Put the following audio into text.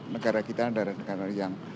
negara kita adalah negara yang